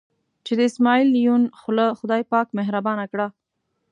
چې د اسمعیل یون خوله خدای پاک مهربانه کړه.